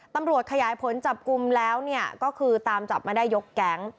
ตำรวจขยายผลจับกลุ่มแล้วเนี่ยก็คือตามจับมาได้ยกแก๊ง